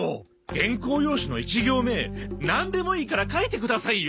原稿用紙の１行目なんでもいいから書いてくださいよ。